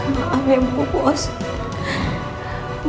masih sudah sampai kita year aderiest italia ke tiga